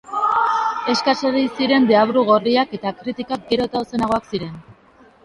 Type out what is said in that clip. Eskas ari ziren deabru gorriak eta kritikak gero eta ozenagoak ziren.